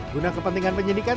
guna kepentingan penyidikan